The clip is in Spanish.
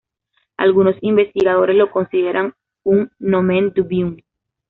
Algunos investigadores lo consideran un nomen dubium.